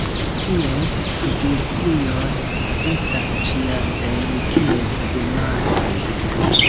Ties flugilstrioj estas ĉiam en ties plumaroj.